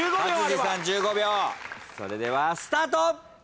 勝地さん１５秒それではスタート！